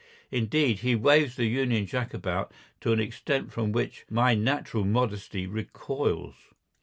Indeed, he waves the Union Jack about to an extent from which my natural modesty recoils.